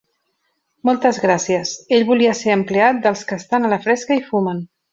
Moltes gràcies; ell volia ser empleat dels que estan a la fresca i fumen.